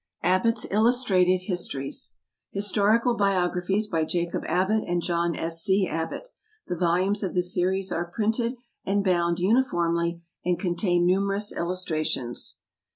_ ABBOTTS' ILLUSTRATED HISTORIES. HISTORICAL BIOGRAPHIES. By JACOB ABBOTT and JOHN S. C. ABBOTT. The Volumes of this Series are printed and bound uniformly, and contain numerous Illustrations.